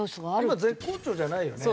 今絶好調じゃないよね？